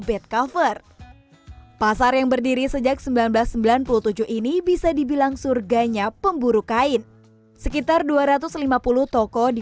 bed cover pasar yang berdiri sejak seribu sembilan ratus sembilan puluh tujuh ini bisa dibilang surganya pemburu kain sekitar dua ratus lima puluh toko di